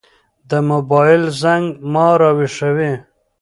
د موبايل زنګ ما راويښوي.